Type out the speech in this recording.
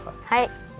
はい。